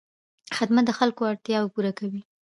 خدمت د خلکو اړتیاوې پوره کوي.